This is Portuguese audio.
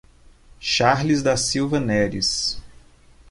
Charles da Silva Neris